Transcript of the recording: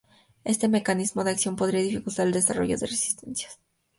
Este mecanismo de acción podría dificultar el desarrollo de resistencias.